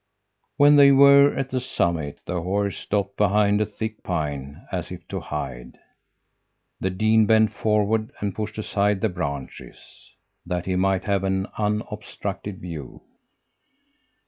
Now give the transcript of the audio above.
"When they were at the summit the horse stopped behind a thick pine, as if to hide. The dean bent forward and pushed aside the branches, that he might have an unobstructed view.